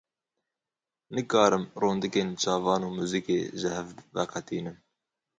Nikarim rondikên çavan û muzîkê ji hev veqetînim.